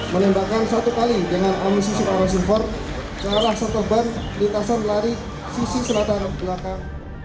menembakkan satu kali dengan amunisi seorang support ke arah satu ban lintasan lari sisi selatan belakang